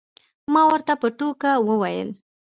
ما ورته په ټوکه وویل.